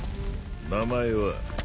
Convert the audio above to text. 名前は？